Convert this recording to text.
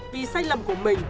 vì sai lầm của mình